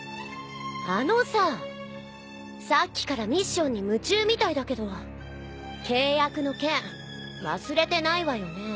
あのささっきからミッションに夢中みたいだけど契約の件忘れてないわよね？